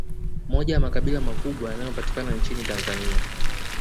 Moja ya makabila makubwa yanayo patikana nchini Tanzania